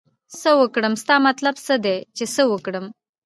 څه وکړم ستا مطلب څه دی چې څه وکړم